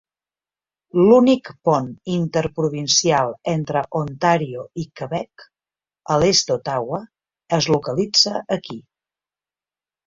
L'únic pont interprovincial entre Ontario i Quebec, a l'est d'Ottawa, es localitza aquí.